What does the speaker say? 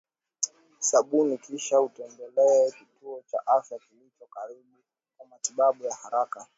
sabuni kisha utembelee kituo cha afya kilicho karibu kwa matibabu ya haraka